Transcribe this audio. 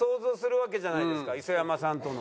磯山さんとの。